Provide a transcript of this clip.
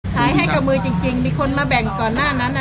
ขายให้กับมือจริงมีคนมาแบ่งก่อนหน้านั้น